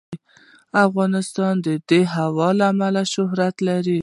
افغانستان د هوا له امله شهرت لري.